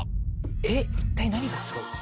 えっ一体何がすごい？